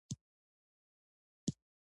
افغانستان د کوشاني تمدن مرکز و.